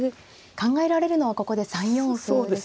考えられるのはここで３四歩でしょうか。